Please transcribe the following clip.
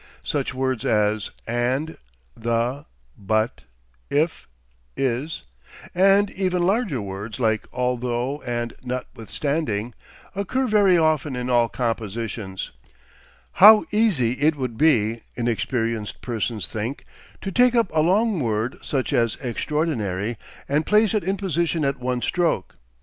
Such words as and, the, but, if, is, and even larger words, like although and notwithstanding, occur very often in all compositions. How easy it would be, inexperienced persons think, to take up a long word, such as extraordinary, and place it in position at one stroke.